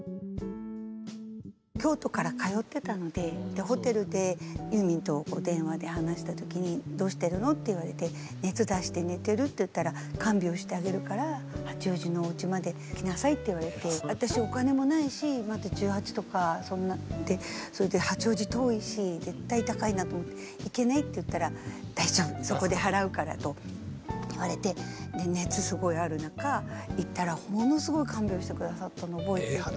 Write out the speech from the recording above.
京都から通ってたのでホテルでユーミンと電話で話した時に「どうしてるの？」って言われて熱出して寝てるって言ったら看病してあげるから八王子のおうちまで来なさいって言われて私お金もないしまだ１８とかそんなで八王子遠いし絶対高いなと思って行けないって言ったら「大丈夫そこで払うから」と言われて熱すごいある中行ったらものすごい看病して下さったのを覚えていて。